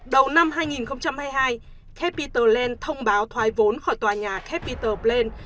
đầu năm hai nghìn hai mươi hai capitol plain thông báo thoái vốn khỏi tòa nhà capitol plain